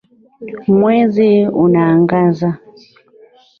Mwezi unaangaza